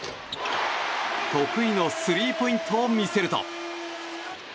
得意のスリーポイントを見せると。